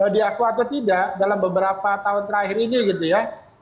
diakui atau tidak dalam beberapa tahun terakhir ini gitu ya